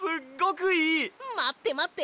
まってまって。